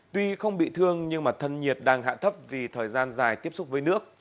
tuy không bị thương nhưng thân nhiệt đang hạ thấp vì thời gian dài tiếp xúc với nước